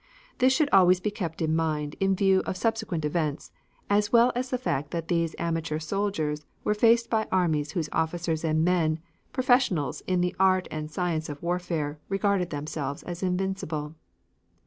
This should always be kept in mind in view of subsequent events, as well as the fact that these amateur soldiers were faced by armies whose officers and men professionals in the art and science of warfare regarded themselves as invincible.